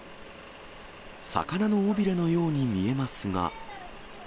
魚の尾びれのように見えますが。